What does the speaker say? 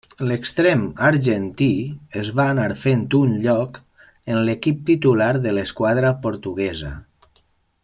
L'extrem argentí es va anar fent un lloc en l'equip titular de l'esquadra portuguesa.